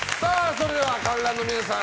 それでは、観覧の皆さん。